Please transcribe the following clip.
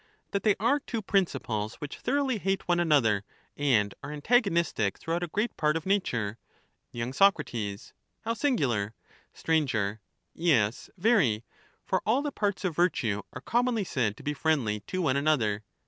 That they are two principles which thoroughly hate one another and are antagonistic throughout a great part of nature. y Soc. How singular I Sir. Yes, very — for all the parts of virtue are commonly Common said to be friendly to one another.